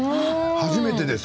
初めてです。